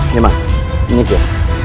nih mas ini dia